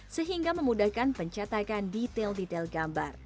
sehingga memudahkan pencetakan detail detail gambar